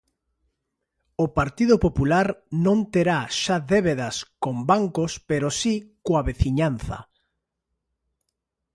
O Partido Popular non terá xa débedas con bancos pero si coa veciñanza.